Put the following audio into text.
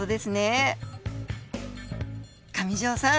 上條さん